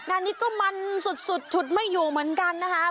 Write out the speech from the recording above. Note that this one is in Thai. งานนี้ก็มันสุดฉุดไม่อยู่เหมือนกันนะคะ